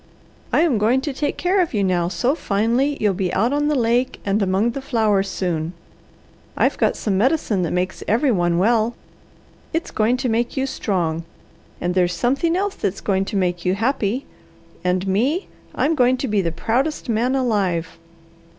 I am going to take care of you now so finely you'll be out on the lake and among the flowers soon. I've got some medicine that makes every one well. It's going to make you strong, and there's something else that's going to make you happy; and me, I'm going to be the proudest man alive."